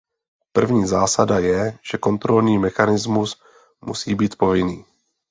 První zásada je, že kontrolní mechanismus musí být povinný.